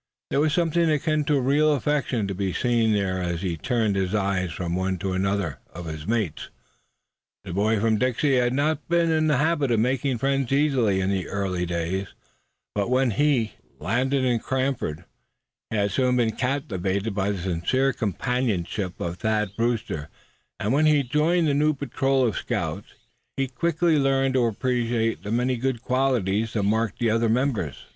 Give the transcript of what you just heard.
There was something akin to real affection to be seen there as he turned his eyes from one to another of his mates. The boy from Dixie had not been in the habit of making friends easily in earlier days; but when he landed in Cranford he had soon been captivated by the sincere companionship of Thad Brewster; and when he joined the new patrol of the scouts he quickly learned to appreciate the many good qualities that marked the other members.